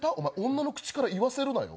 女の口から言わせるなよ。